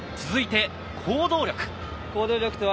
続いて「考動力」。